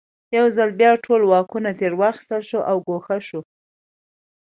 یو ځل بیا ټول واکونه ترې واخیستل شول او ګوښه شو.